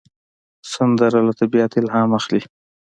سندره له طبیعت الهام اخلي